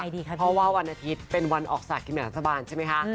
เพราะว่าวันอาทิตย์เป็นวันออกศาสตร์คิมงานสะบานใช่ไหมค่ะ